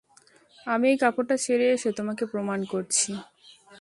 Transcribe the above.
আমি এই কাপড়টা ছেড়ে এসে তোমাকে প্রণাম করছি।